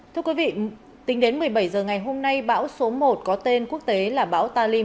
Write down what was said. tính đến một mươi bảy h ngày hôm nay bão số một có tên quốc tế là bão talim